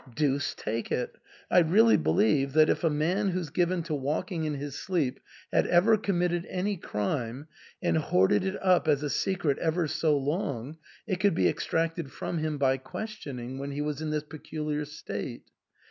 Deuce take it ! I really believe that, if a man who's given to walking in his sleep had ever committed any crime, and hoarded it up as a secret ever so long, it could be extracted from him by questioning when he was in this peculiar state.